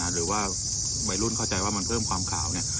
หรือว่าใบรุ่นเข้าใจว่ามันเพิ่มความขาว